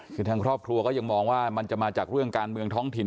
คือทางครอบครัวก็ยังมองว่ามันจะมาจากเรื่องการเมืองท้องถิ่น